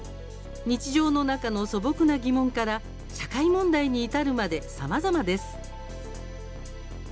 日常の中の素朴な疑問から社会問題に至るまでさまざまです。